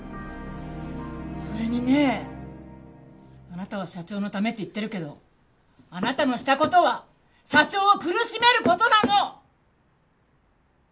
それにねあなたは社長のためって言ってるけどあなたのした事は社長を苦しめる事なの！